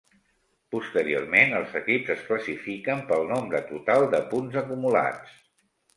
Posteriorment, els equips es classifiquen pel nombre total de punts acumulats.